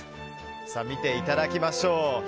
見ていただきましょう。